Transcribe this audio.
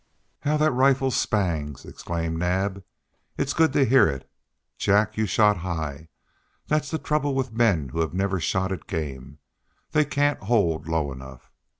"How that rifle spangs!" exclaimed Naab. "It's good to hear it. Jack, you shot high. That's the trouble with men who have never shot at game. They can't hold low enough.